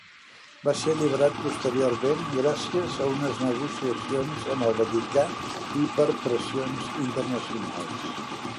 Va ser alliberat posteriorment gràcies a unes negociacions amb el Vaticà i per pressions internacionals.